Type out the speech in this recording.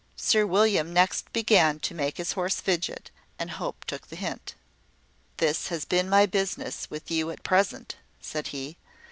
Sir William next began to make his horse fidget, and Hope took the hint. "This has been my business with you at present," said he.